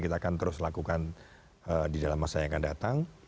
kita akan terus lakukan di dalam masa yang akan datang